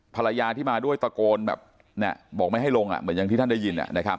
ภรรยาที่มาด้วยตะโกนแบบบอกไม่ให้ลงเหมือนอย่างที่ท่านได้ยิน